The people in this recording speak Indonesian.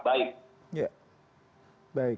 harga sehingga daya beli masyarakat ini tetap baik